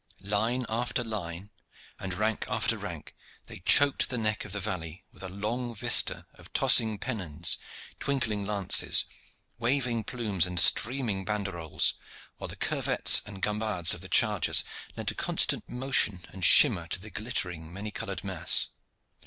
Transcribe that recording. Line after line, and rank after rank, they choked the neck of the valley with a long vista of tossing pennons, twinkling lances, waving plumes and streaming banderoles, while the curvets and gambades of the chargers lent a constant motion and shimmer to the glittering, many colored mass.